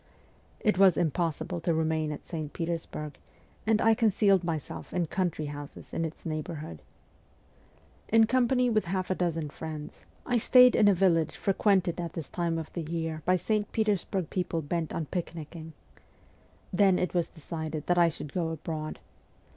It was impossible to remain at St. Petersburg, and I concealed myself in country houses in its neighbour hood. In company with half a dozen friends, I stayed at a village frequented at this time of the year by St. Petersburg people bent on picnicking. Then it was decided that I should go abroad.